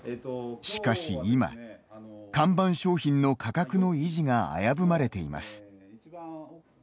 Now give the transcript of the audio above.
しかし今看板商品の価格の維持が危ぶまれています。